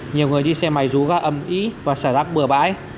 nhiều người đi xe máy rú vào ấm ý và xả rác bữa bãi